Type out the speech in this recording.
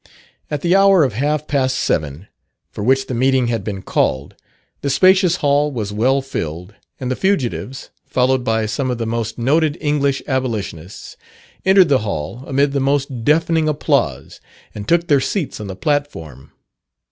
At the hour of half past seven, for which the meeting had been called, the spacious hall was well filled, and the fugitives, followed by some of the most noted English Abolitionists, entered the hall, amid the most deafening applause, and took their seats on the platform.